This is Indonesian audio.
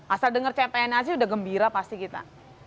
asal denger cpns sih udah gembira pasti kita